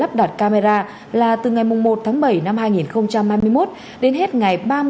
lắp đặt camera là từ ngày một tháng bảy năm hai nghìn hai mươi một đến hết ngày ba mươi tháng sáu năm hai nghìn hai mươi hai